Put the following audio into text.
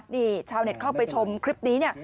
นี่ชาวเน็ตเข้าไปชมคลิปนี้เนี่ย